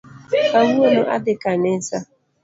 Kawuono adhi kanisa